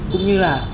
cũng như là